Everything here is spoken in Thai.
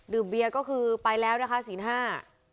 เบียร์ก็คือไปแล้วนะคะศีลห้า